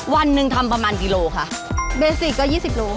วันหนึ่งทำประมาณกิโลค่ะเบสิกก็ยี่สิบโล